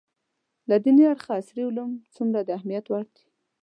له دیني اړخه عصري علوم څومره د اهمیت وړ دي